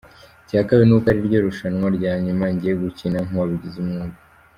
Icya kabiri ni uko ariryo rushanwa rya nyuma ngiye gukina nk’uwabigize umwuga.